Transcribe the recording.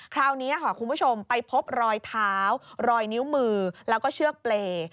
คราวนี้คุณผู้ชมไปพบรอยเท้ารอยนิ้วมือแล้วก็เชือกเปรย์